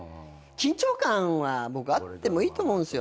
緊張感は僕あってもいいと思うんすよね。